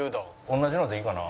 同じのでいいかな。